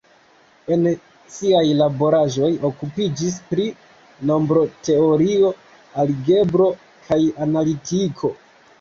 En siaj laboraĵoj okupiĝis pri nombroteorio, algebro kaj analitiko.